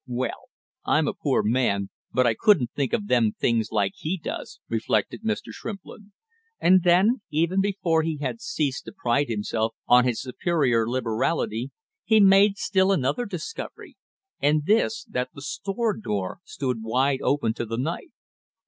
"Well, I'm a poor man, but I couldn't think of them things like he does!" reflected Mr. Shrimplin; and then even before he had ceased to pride himself on his superior liberality, he made still another discovery, and this, that the store door stood wide open to the night.